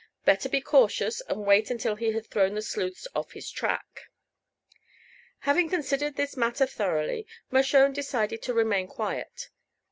Better be cautious and wait until he had thrown the sleuths off his track. Having considered this matter thoroughly, Mershone decided to remain quiet.